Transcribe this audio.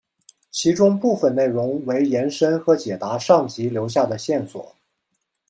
其中部分内容为延伸和解答上集留下的线索。